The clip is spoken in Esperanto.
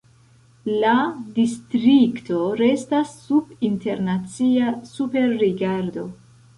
La distrikto restas sub internacia superrigardo.